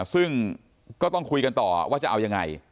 ซึ่งก็ต้องคุยกันต่อว่าจะเอายังไง